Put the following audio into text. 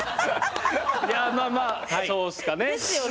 いやあまあまあそうっすかね。ですよね。